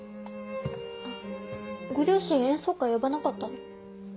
ご両親演奏会呼ばなかったの？